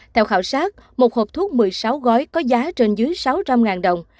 theo khảo sát một hộp thuốc một mươi sáu gói có giá trên dưới sáu trăm linh đồng